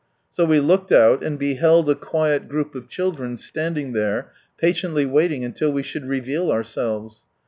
So we looked out, and beheld a quiet group of children standing there, patiently waiting until we should reveal ourselves.